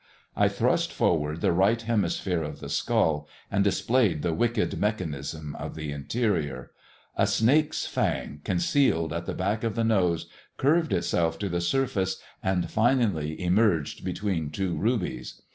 I thrust forward the right hemisphere of the skull, and displayed the wicked mechanism of the interior. A snake's fang, concealed at the back of the nose, curved itself to the surface, and finally emerged between two rubies.